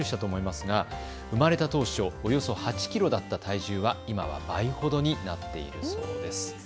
生まれた当初は、およそ８キロだった体重は、今は倍ほどになっているそうです。